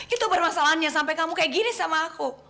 itu permasalahannya sampai kamu kayak gini sama aku